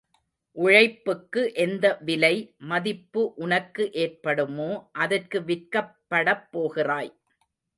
உழைப்புக்கு எந்த விலை மதிப்பு உனக்கு ஏற்படுமோ அதற்கு விற்கப்படப்போகிறாய்.